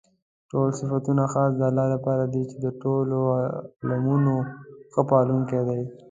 ټول صفتونه خاص د الله لپاره دي چې د ټولو عالَمونو ښه پالونكى دی.